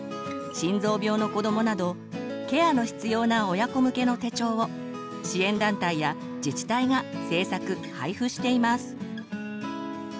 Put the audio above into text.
心臓病の子どもなどケアの必要な親子向けの手帳を支援団体や自治体が制作配布しています。